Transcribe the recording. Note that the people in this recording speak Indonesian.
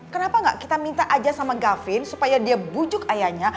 kenapa enggak kita minta aja sama gavin supaya dia bujuk ayahnya